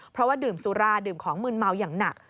เพราะว่าดื่มสุราดื่มของมืนเมาอย่างหนัก